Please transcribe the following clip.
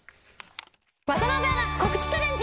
渡邊アナ、告知チャレンジ。